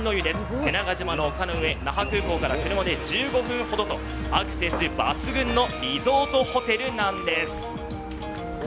瀬長島の丘の上、那覇空港から車で１５分ほどと、アクセス抜群のリゾートホテルなんです。